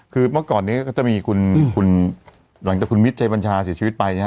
คือเมื่อก่อนนี้ก็จะมีคุณหลังจากคุณมิตรชัยบัญชาเสียชีวิตไปนะฮะ